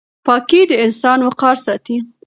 پاکي د انسان وقار ساتي.